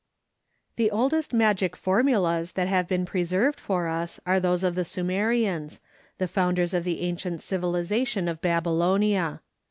The oldest magic formulas that have been preserved for us are those of the Sumerians, the founders of the ancient civilization of Babylonia.